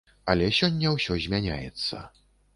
Але сёння ўсё змяняецца.